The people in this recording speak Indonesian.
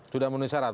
sudah menuhi syarat